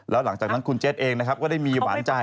แล้วหลังจากนั้นคุณเจ็ตเองนะครับก็ได้มีหวานใจ